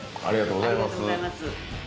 ありがとうございます。